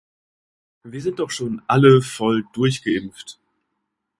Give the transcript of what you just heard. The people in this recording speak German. Wir sind doch schon alle voll durchgeimpft.